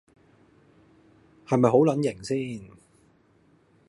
係咪好撚型先